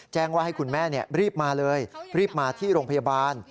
แจ้งว่าให้คุณแม่รีบมาเลยรีบมาที่โรงพยาบาล